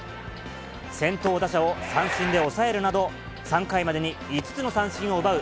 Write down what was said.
先頭打者を三振で抑えるなど、３回までに５つの三振を奪う